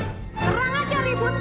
kurang ajar ribut